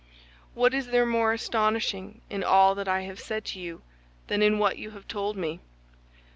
What is there more astonishing in all that I have said to you than in what you have told me?"